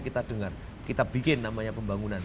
kita dengar kita bikin namanya pembangunan